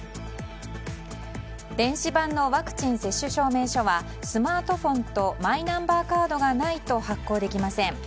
電子版のワクチン接種証明書はスマートフォンとマイナンバーカードがないと発行できません。